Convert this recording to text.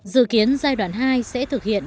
dự kiến giai đoạn hai sẽ thực hiện